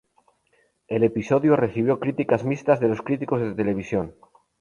El episodio recibió críticas mixtas de los críticos de televisión.